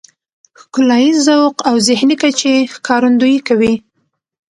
ښکلاييز ذوق او ذهني کچې ښکارندويي کوي .